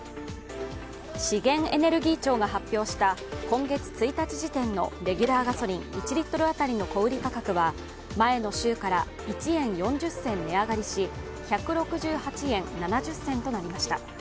資源エネルギー庁が発表した今月１日時点のレギュラーガソリン１リットル当たりの小売価格は前の週から１円４０銭値上がりし、１６８円７０銭となりました。